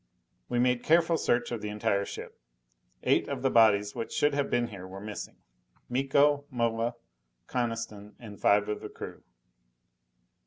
We made careful search of the entire ship. Eight of the bodies which should have been here were missing: Miko, Moa, Coniston and five of the crew.